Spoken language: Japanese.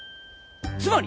つまり！